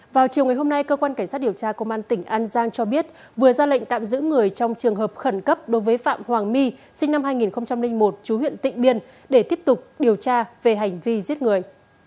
vào chiều ngày hôm nay cơ quan cảnh sát điều tra công an tỉnh an giang cho biết vừa ra lệnh tạm giữ người trong trường hợp khẩn cấp đối với phạm hoàng my sinh năm hai nghìn một chú huyện tịnh biên để tiếp tục điều tra về hành vi giết người